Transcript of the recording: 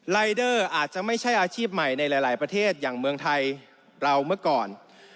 รายเดอร์อาจจะไม่ใช่อาชีพใหม่ในหลายประเทศอย่างเมืองไทยเราเมื่อก่อน